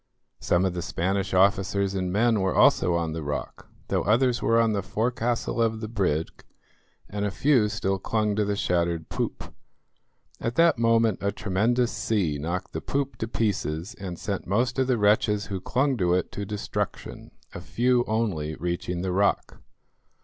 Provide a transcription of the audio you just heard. Some of the Spanish officers and men were also on the rock, though others were on the forecastle of the brig, and a few still clung to the shattered poop. At that moment a tremendous sea knocked the poop to pieces and sent most of the wretches who clung to it to destruction, a few only reaching the rock.